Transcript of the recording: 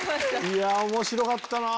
いやあ面白かったな！